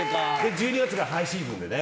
１２月がハイシーズンでね。